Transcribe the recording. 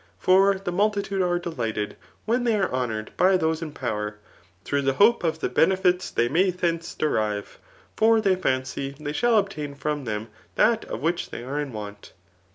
For the multitude are delighted when they are honoured by those in power, through the hope [of the benefits they may thence derive ;]] for they fancy they shall obtain from them that of which they are in want.